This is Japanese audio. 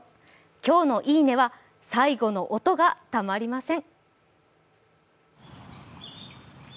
今日のいいねは最後の音がたまりません。